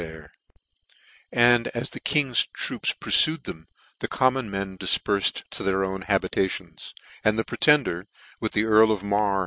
187 defpair j and as the King's troops purfued them, the common men difperfcd to their own habita tionsj and the Pretender^ with the earl of Mar>